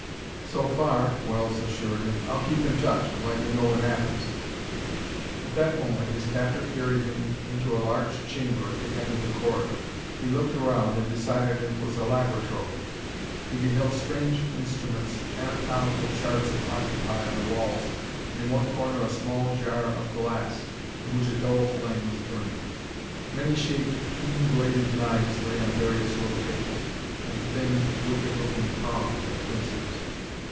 "So far," Wells assured him. "I'll keep in touch, and let you know what happens." At that moment, his captor carried him into a large chamber at the end of the corridor. He looked around, and decided it was a laboratory. He beheld strange instruments, anatomical charts of octopi on the walls and, in one corner, a small jar of glass, in which a dull flame was burning. Many shaped keen bladed knives lay on various low tables, and thin, wicked looking prongs and pincers.